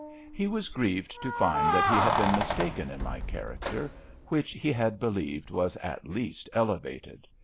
He was grieved to find that he had been mistaken in my character, which he had believed was, at least, elevated.